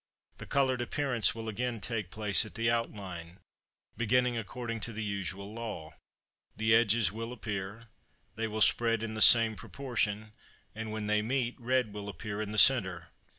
The coloured appearance will again take place at the outline, beginning according to the usual law; the edges will appear, they will spread in the same proportion, and when they meet, red will appear in the centre.